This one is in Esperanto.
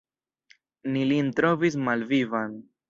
Ni lin trovis malvivan.